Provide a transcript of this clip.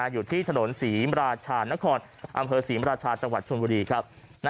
อยู่ที่ถนนศรีราชานครอำเภอศรีมราชาจังหวัดชนบุรีครับ